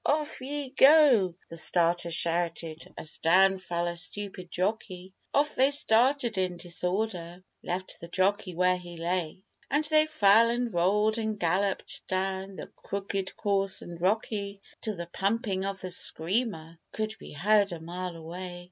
'Off ye go!' the starter shouted, as down fell a stupid jockey Off they started in disorder left the jockey where he lay And they fell and rolled and galloped down the crooked course and rocky, Till the pumping of the Screamer could be heard a mile away.